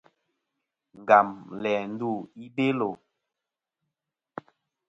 Ngam læ ndu i Belo.